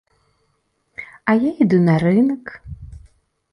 А я іду на рынак.